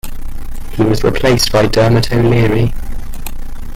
He was replaced by Dermot O'Leary.